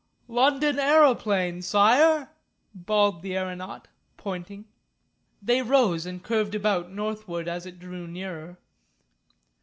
"London aeroplane, Sire," bawled the aeronaut, pointing. They rose and curved about northward as it drew nearer.